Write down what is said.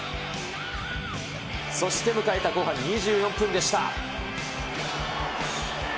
そして迎えた後半２４分でした。